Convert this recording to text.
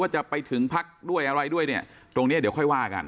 จะไปถึงพักด้วยอะไรด้วยเนี่ยตรงเนี้ยเดี๋ยวค่อยว่ากัน